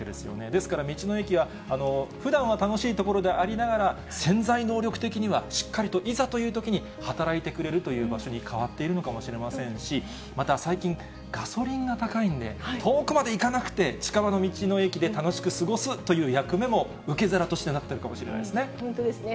ですから道の駅は、ふだんは楽しい所でありながら、潜在能力的には、しっかりと、いざというときに働いてくれるという場所に変わっているのかもしれませんし、また最近、ガソリンが高いんで、遠くまで行かなくて、近場の道の駅で楽しく過ごすという役目も受け皿としてなってるか本当ですね。